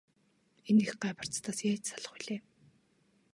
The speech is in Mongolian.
Энэ их гай барцдаас яаж салах билээ?